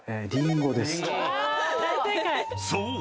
［そう。